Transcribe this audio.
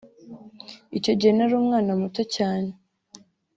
icyo gihe nari umwana muto cyane